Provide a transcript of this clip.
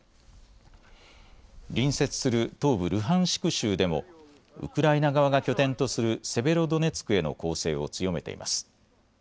隣接する東部ルハンシク州でもウクライナ側が拠点とするセベロドネツクへの攻勢を強めています。